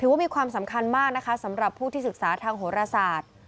ว่ามีความสำคัญมากนะคะสำหรับผู้ที่ศึกษาทางโหรศาสตร์